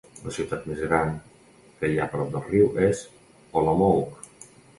La ciutat més gran que hi ha prop del riu és Olomouc.